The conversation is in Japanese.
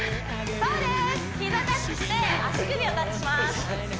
そうです